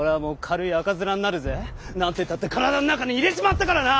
何てったって体ん中に入れちまったからな！